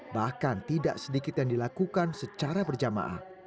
bahkan tidak sedikit yang dilakukan secara berjamaah